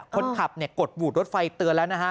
คนขับกดบูดรถไฟเตือนแล้วนะฮะ